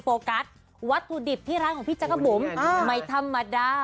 โฟกัสวัตถุดิบที่ร้านของพี่จักรบุ๋มไม่ธรรมดา